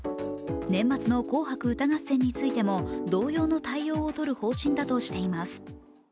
年末の「紅白歌合戦」についても同様の対応をとる方針だとしています。